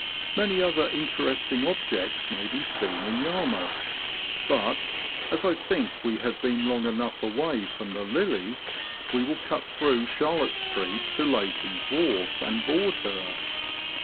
Many other interesting objects may be seen in Yarmouth ; but as I think we have been long enough away from the '' Lily," we will cut through Charlotte Street to Lacon's Wharf, and board her.